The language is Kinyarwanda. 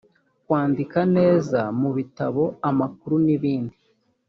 kwandika neza mu bitabo amakuru n ibindi